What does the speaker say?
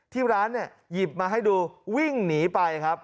ที่ร้านเนี่ยหยิบมาให้ดูวิ่งหนีไปครับ